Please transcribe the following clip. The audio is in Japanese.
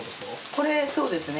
これそうですね。